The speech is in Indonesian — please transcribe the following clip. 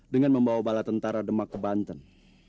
dengan membawa bala tentara demak ke banten